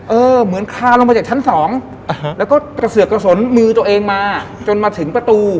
เหมือนคาลงมาจากชั้นสองแล้วก็กระเสือกกระสนมือตัวเองมาจนมาถึงประตู